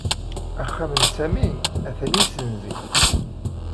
Axxam n Sami atan i ussenzi.